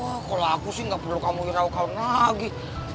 wah kalau aku sih gak perlu kamu hirau kamu lagi